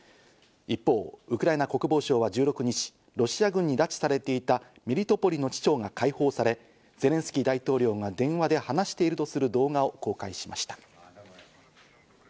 一方、ウクライナ国防省は１６日、ロシア軍に拉致されていたメリトポリの市長が解放され、ゼレンスキー大統領が電話で話しているとする動画を公開しました。